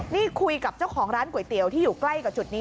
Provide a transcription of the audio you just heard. นี่คุยกับเจ้าของร้านก๋วยเตี๋ยวที่อยู่ใกล้กับจุดนี้